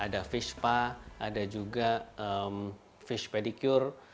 ada fish spa ada juga fish pedicure